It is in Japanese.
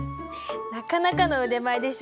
なかなかの腕前でしょ。